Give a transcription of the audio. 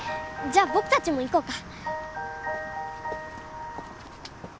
じゃあ僕たちも行こうか。